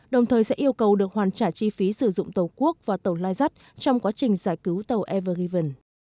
đồng thời sẽ yêu cầu được hoàn trả chi phí sử dụng tàu quốc và tàu lai rắt trong quá trình giải cứu tàu ever given